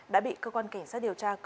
đã bị cơ quan cảnh sát điều tra